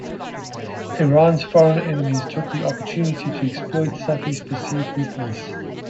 Iran's foreign enemies took the opportunity to exploit Safi's perceived weakness.